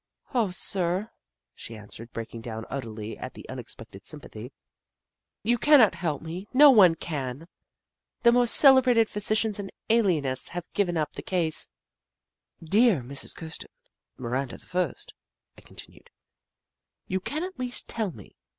" Oh, sir," she answered, breaking down utterly at the unexpected sympathy, " you cannot help me — no one can ! The most cele brated physicians and alienists have given up the case." " Dear Mrs. Kirsten, Miranda the First," I continued, "you can at least tell me.